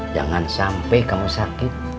jangan sampai kamu sakit